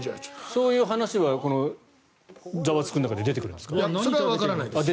そういう話は「ザワつく！」の中で出てくるんですか？